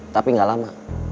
tapi gak lama